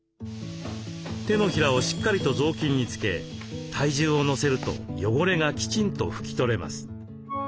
手のひらをしっかりと雑巾につけ体重を乗せると汚れがきちんと拭き取れます。